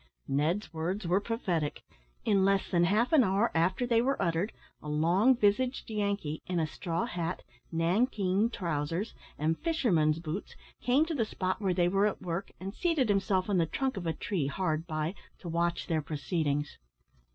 Ned's words were prophetic. In less than half an hour after they were uttered a long visaged Yankee, in a straw hat, nankeen trousers, and fisherman's boots, came to the spot where they were at work, and seated himself on the trunk of a tree hard by to watch their proceedings.